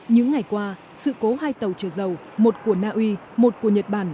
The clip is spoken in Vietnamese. những ngày qua sự cố hai tàu trở dầu một của naui một của nhật bản